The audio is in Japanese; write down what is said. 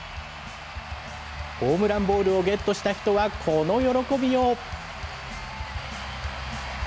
ホームランボールをゲットした人はこの喜びよう。